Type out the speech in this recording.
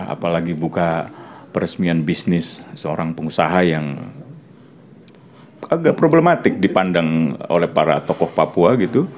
apalagi buka peresmian bisnis seorang pengusaha yang agak problematik dipandang oleh para tokoh papua gitu